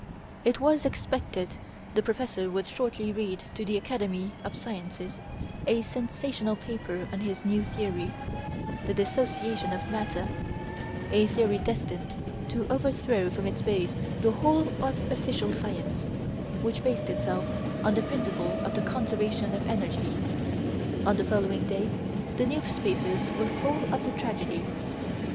It was expected the Professor would shortly read to the Academy of Sciences a sensational paper on his new theory, the Dissociation of Matter, a theory destined to overthrow from its base the whole of official science, which based itself on the principle of the Conservation of Energy. On the following day, the newspapers were full of the tragedy.